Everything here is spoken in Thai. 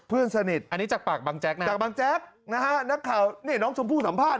เพื่อนสนิทอันนี้จากปากบางแจ๊กนะจากบางแจ๊กนะฮะนักข่าวนี่น้องชมพู่สัมภาษณ